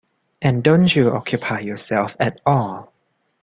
And don't you occupy yourself at all?